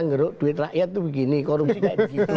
ngeruk duit rakyat tuh begini korupsi kayak begitu